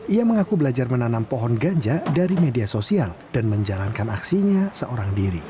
ia mengaku belajar menanam pohon ganja dari media sosial dan menjalankan aksinya seorang diri